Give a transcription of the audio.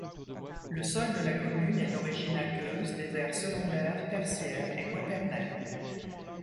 Le sol de la commune est d'origine aqueuse des ères secondaire, tertiaire et quaternaire.